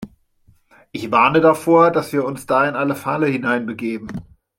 Ich warne davor, dass wir uns da in eine Falle hineinbegeben.